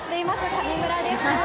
上村です。